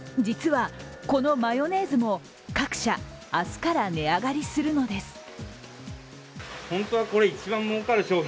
実はこのマヨネーズも各社、明日から値上がりするのです。